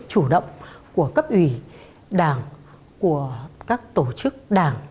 chủ động của cấp ủy đảng của các tổ chức đảng